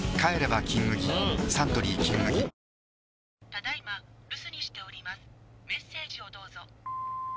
「ただ今留守にしております」「メッセージをどうぞ」